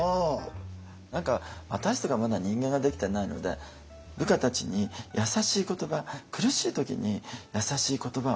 何か私とかまだ人間ができてないので部下たちに優しい言葉苦しい時に優しい言葉をね